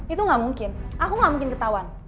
itu gak mungkin aku gak mungkin ketahuan